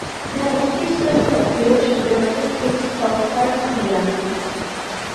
ფეხბურთის მსოფლიო ჩემპიონატის ბურთს Telstar ჰქვია